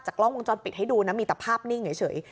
กล้องวงจรปิดให้ดูนะมีแต่ภาพนิ่งเฉย